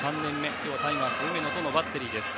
今日、タイガース梅野とのバッテリーです。